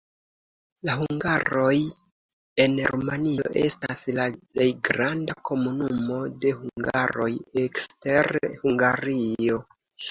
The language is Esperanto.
La hungaroj en Rumanio estas la plej granda komunumo de hungaroj ekster Hungario.